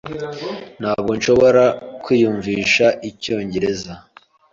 Ntabwo nshobora kwiyumvisha icyongereza.